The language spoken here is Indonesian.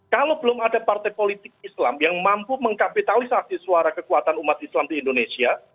kalau belum ada partai politik islam yang mampu mengkapitalisasi suara kekuatan umat islam di indonesia